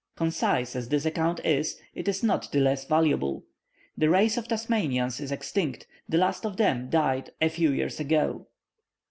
Concise as this account is, it is not the less valuable. The race of Tasmanians is extinct, the last of them died a few years ago.